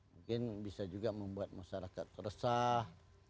mungkin bisa juga membuat masyarakat resah